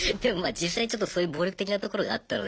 実際ちょっとそういう暴力的なところがあったので。